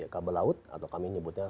kabel laut atau kami nyebutnya